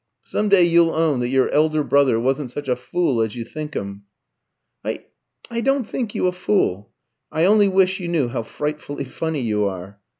Some day you'll own that your elder brother wasn't such a fool as you think him." "I I don't think you a fool. I only wish you knew how frightfully funny you are!